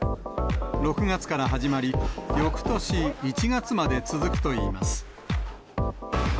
６月から始まり、よくとし１月まで続くといいます。